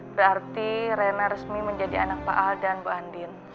berarti rena resmi menjadi anak pak aldan bu andin